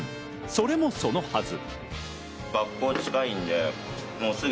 それもそのはず。